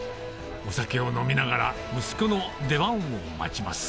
お酒を飲みながら息子の出番を待ちます